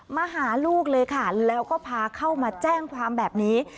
มาหาลูกเลยค่ะแล้วก็พาเข้ามาแจ้งความแบบนี้